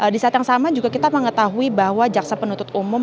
di saat yang sama juga kita mengetahui bahwa jaksa penuntut umum